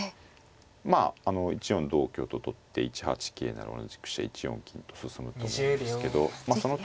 まあ１四同香と取って１八桂成同飛車１四金と進むと思うんですけどまあその時。